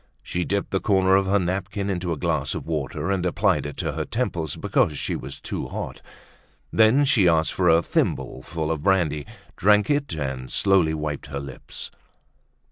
She dipped the corner of her napkin into a glass of water and applied it to her temples because she was too hot. Then, she asked for a thimbleful of brandy, drank it, and slowly wiped her lips.